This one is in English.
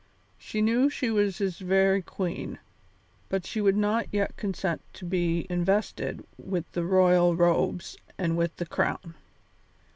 She knew she was his very queen, but she would not yet consent to be invested with the royal robes and with the crown.